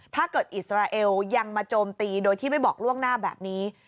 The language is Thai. อิสราเอลยังมาโจมตีโดยที่ไม่บอกล่วงหน้าแบบนี้